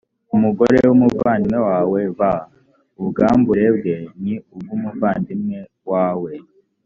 umugore w umuvandimwe wawe b ubwambure bwe ni ubw umuvandimwe wawe